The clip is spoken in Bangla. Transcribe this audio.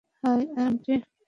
High, aunty!